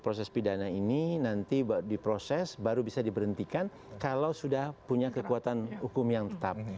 proses pidana ini nanti diproses baru bisa diberhentikan kalau sudah punya kekuatan hukum yang tetap